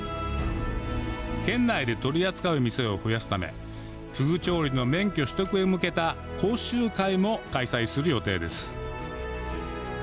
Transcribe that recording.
県内で取り扱う店を増やすためフグ調理の免許取得へ向けた講習会も開催する予定です